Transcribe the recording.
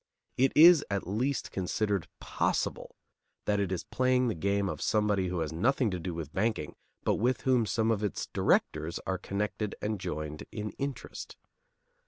It is at least considered possible that it is playing the game of somebody who has nothing to do with banking, but with whom some of its directors are connected and joined in interest.